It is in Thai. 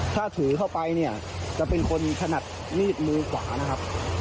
ถ้าถือเข้าไปเนี่ยจะเป็นคนถนัดมีดมือขวานะครับ